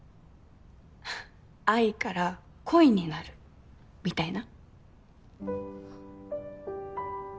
ははっ愛から恋になるみたいな？